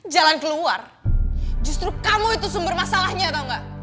jalan keluar justru kamu itu sumber masalahnya tau gak